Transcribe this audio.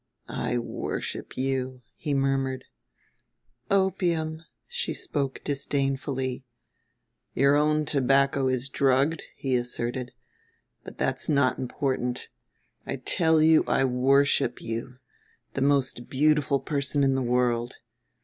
"I worship you," he murmured. "Opium," she spoke disdainfully. "Your own tobacco is drugged," he asserted. "But that's not important. I tell you I worship you, the most beautiful person in the world.